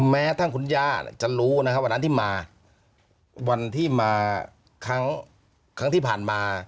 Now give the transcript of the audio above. แม้ทั้งคุณย่าจะรู้นะครับวันนั้นที่มาวันที่มาครั้งที่ผ่านมา